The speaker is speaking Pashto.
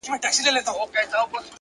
هره هڅه د راتلونکي لپاره خښته ږدي.